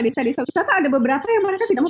desa desa wisata ada beberapa yang mereka tidak mau